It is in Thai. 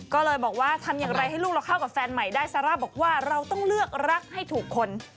ก็เลยบอกว่าทำอย่างไรให้ลูกเราเข้ากับแฟนใหม่ได้ซาร่าบอกว่าเราต้องเลือกรักให้ถูกคน